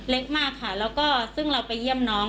เล็กมากค่ะแล้วก็ซึ่งเราไปเยี่ยมน้อง